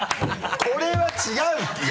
これは違ういや。